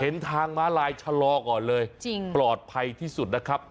เห็นทางม้าลายชะลอก่อนเลยจริงปลอดภัยที่สุดนะครับ